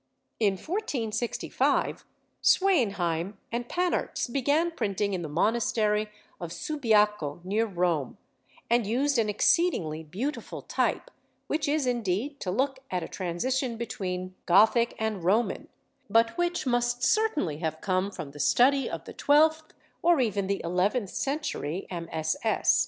In 1465 Sweynheim and Pannartz began printing in the monastery of Subiaco near Rome, and used an exceedingly beautiful type, which is indeed to look at a transition between Gothic and Roman, but which must certainly have come from the study of the twelfth or even the eleventh century MSS.